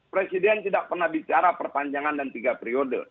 presiden tidak pernah bicara perpanjangan dan tiga periode